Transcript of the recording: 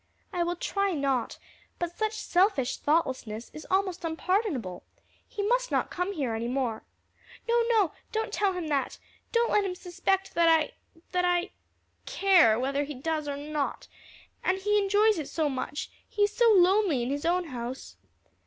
"I will try not; but such selfish thoughtlessness is almost unpardonable. He must not come here any more." "No, no: don't tell him that! don't let him suspect that I care whether he does or not. And he enjoys it so much, he is so lonely in his own house."